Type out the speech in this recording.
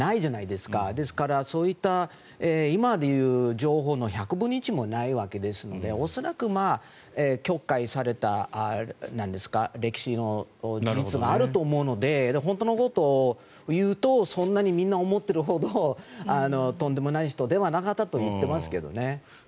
ですから、そういった今でいう情報の１００分の１もないわけですので恐らく、曲解された歴史の事実があると思うので本当のことをいうとそんなにみんなが思っているほどとんでもない人ではなかったと言っていますけどね。